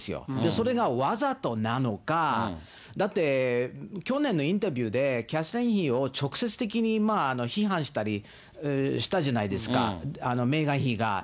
それがわざとなのか、だって、去年のインタビューで、キャサリン妃を直接的に批判したりしたじゃないですか、メーガン妃が。